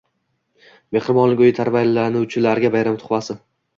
“Mehribonlik uyi” tarbiyalanuvchilariga bayram tuhfasi